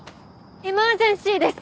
エマージェンシーです。